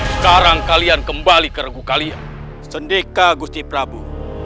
sekarang kalian kembali keraguan kalian sendika guci prabu